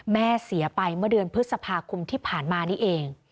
แม่เสียไปเมื่อเดือนพฤษภาคมที่ผ่านมานี่เอง